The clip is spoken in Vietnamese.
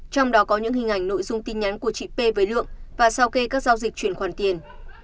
trong đó có những hình ảnh nội dung tin nhắn của chị p với lượng và sao kê các giao dịch chuyển khoản tiền